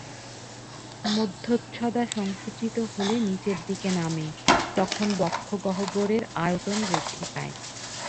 মধ্যচ্ছদা সংকুচিত হলে নিচের দিকে নামে, তখন বক্ষগহ্বরের আয়তন বৃদ্ধি পায়।